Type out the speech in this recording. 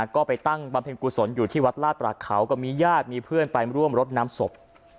ก็ไปตั้งบำเพ็ญกุศลอยู่ที่วัดลาดประเขาก็มีญาติมีเพื่อนไปร่วมรดน้ำศพ